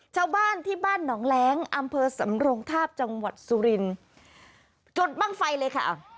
ชาวบ้านที่บ้านหนองแร้งอำเภอสำรงทาบจังหวัดสุรินจดบ้างไฟเลยค่ะ